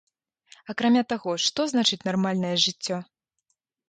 Акрамя таго, што значыць нармальнае жыццё?